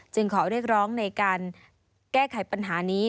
ขอเรียกร้องในการแก้ไขปัญหานี้